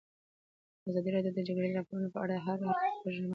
ازادي راډیو د د جګړې راپورونه په اړه د هر اړخیز پوښښ ژمنه کړې.